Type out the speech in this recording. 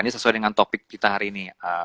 ini sesuai dengan topik kita hari ini